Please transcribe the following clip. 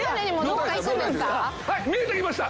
はい見えてきました。